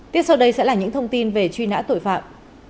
tiếp sau đây sẽ là những thông tin về truy nã tội phạm